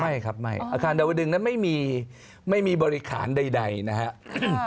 ไม่ครับอาคารดาวดึงนั้นไม่มีบริขารใดนะครับ